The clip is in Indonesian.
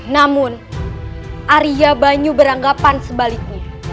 namun arya banyu beranggapan sebaliknya